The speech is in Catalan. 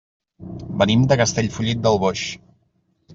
Venim de Castellfollit del Boix.